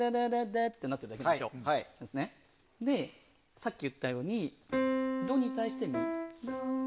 さっき言ったようにドに対してミ。